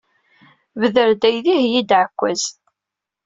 Bder-d aydi, heyyi-d aɛekkaz.